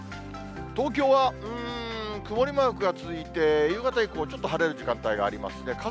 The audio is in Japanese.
東京はうーん、曇りマークが続いて、夕方以降、ちょっと晴れる時間帯がありますね。